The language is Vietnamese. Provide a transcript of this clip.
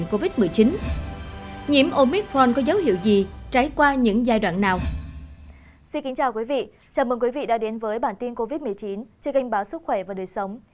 cảm ơn quý vị đã đến với bản tin covid một mươi chín trên kênh báo sức khỏe và đời sống